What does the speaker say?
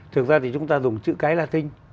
thực ra thì chúng ta dùng chữ cái latin